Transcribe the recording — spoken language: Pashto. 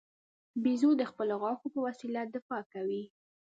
بیزو د خپلو غاښو په وسیله دفاع کوي.